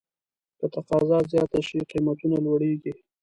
که تقاضا زیاته شي، قیمتونه لوړېږي.